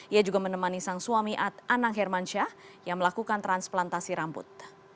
ia juga menemani sang suami anang hermansyah yang melakukan transplantasi rambut